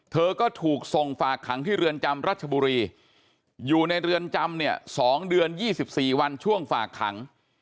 เธอก็ถูกส่งฝากขังที่เรือนจำรัชบุรีอยู่ในเรือนจำเนี่ย๒เดือน๒๔วันช่วงฝากขัง